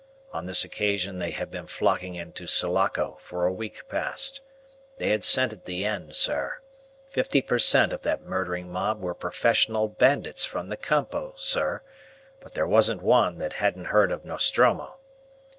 On this occasion they had been flocking into Sulaco for a week past. They had scented the end, sir. Fifty per cent. of that murdering mob were professional bandits from the Campo, sir, but there wasn't one that hadn't heard of Nostromo.